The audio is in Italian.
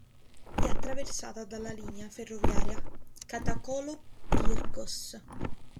È attraversata dalla linea ferroviaria Katakolo-Pyrgos.